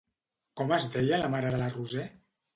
Com es deia la mare de la Roser?